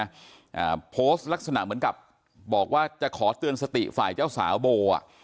อ่าโพสต์ลักษณะเหมือนกับบอกว่าจะขอเตือนสติฝ่ายเจ้าสาวโบอ่ะ